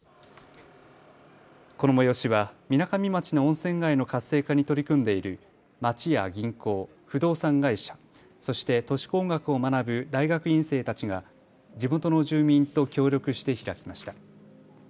この催しはみなかみ町の温泉街の活性化に取り組んでいる町や銀行、不動産会社、そして都市工学を学ぶ大学院生たちが地元の住民と協力して開きました。